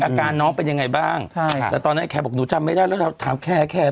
อาการน้องเป็นยังไงบ้างใช่ค่ะแต่ตอนนั้นไอแคร์บอกหนูจำไม่ได้แล้วถามแคร์แคร์